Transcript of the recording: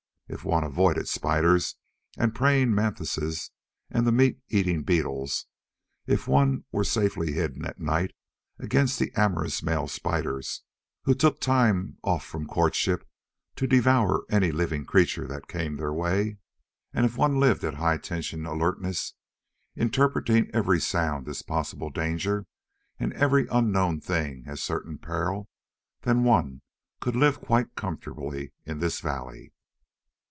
If one avoided spiders and praying mantises and the meat eating beetles; if one were safely hidden at night against the amorous male spiders who took time off from courtship to devour anything living that came their way; and if one lived at high tension alertness, interpreting every sound as possible danger and every unknown thing as certain peril then one could live quite comfortably in this valley.